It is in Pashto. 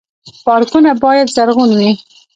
پارکونه باید زرغون وي